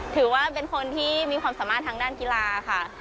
ถือว่าเป็นคนที่มีความสามารถทางด้านกีฬาค่ะ